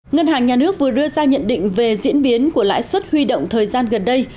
ngân hàng nhà nước vừa đưa ra nhận định về diễn biến của lãi suất huy động thời gian gần đây